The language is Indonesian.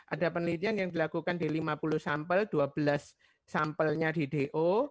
ada penelitian yang dilakukan di lima puluh sampel dua belas sampelnya di do